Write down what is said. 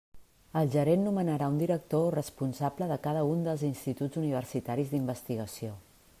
El gerent nomenarà un director o responsable de cada un dels instituts universitaris d'investigació.